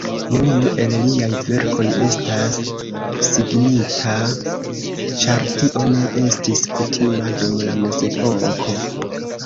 Neniu el liaj verkoj estas signita, ĉar tio ne estis kutima dum la mezepoko.